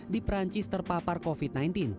di perancis terpapar covid sembilan belas